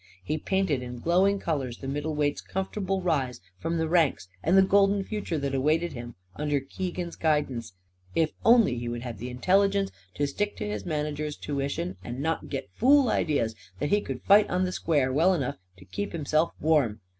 He painted in glowing colours the middleweight's comfortable rise from the ranks and the golden future that awaited him under Keegan's guidance, if only he would have the intelligence to stick to his manager's tuition and not get fool ideas that he could fight on the square well enough to keep himself warm.